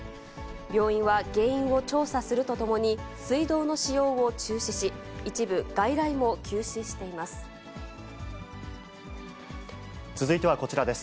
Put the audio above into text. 病院は原因を調査するとともに、水道の使用を中止し、一部、続いてはこちらです。